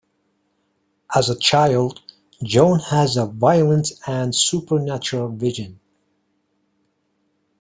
As a child, Joan has a violent and supernatural vision.